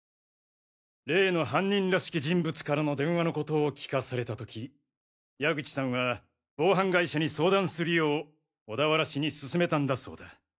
例の犯人らしき人物からの電話の事を聞かされた時矢口さんは防犯会社に相談するよう小田原氏にすすめたんだそうだ。